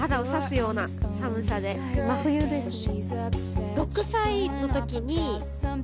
真冬ですね。